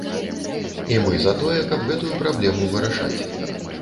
І мы за тое, каб гэтую праблему вырашаць.